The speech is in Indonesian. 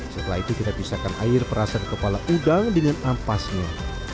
setelah itu kita pisahkan air perasan kepala udang dengan ampasnya